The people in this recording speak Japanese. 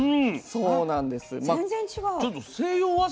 そうなんです。